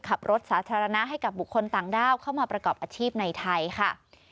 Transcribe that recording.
ขับรถสาธารณะให้กับบุคคลต่างด้าวเข้ามาประกอบอาชีพในไทยค่ะ